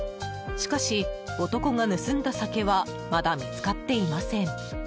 しかし、男が盗んだ酒はまだ見つかっていません。